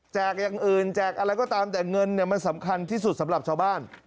อย่างอื่นแจกอะไรก็ตามแต่เงินเนี่ยมันสำคัญที่สุดสำหรับชาวบ้าน